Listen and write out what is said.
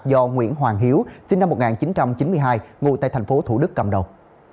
do nguyễn hoàng hiếu sinh năm một nghìn chín trăm chín mươi hai ngụ tại thành phố thủ đức cầm đầu